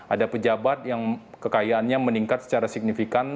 ada pejabat yang kekayaannya meningkat secara signifikan